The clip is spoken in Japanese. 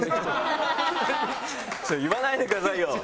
言わないでくださいよ。